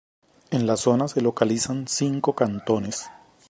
En la zona se localizan cinco cantones.